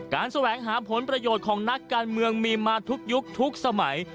แสวงหาผลประโยชน์ของนักการเมืองมีมาทุกยุคทุกสมัย